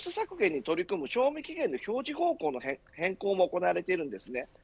今、食品業界ではロス削減に取り組む賞味期限の表示方法の変更も行われています。